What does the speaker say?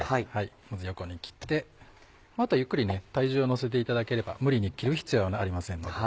まず横に切ってあとはゆっくり体重を乗せていただければ無理に切る必要はありませんので。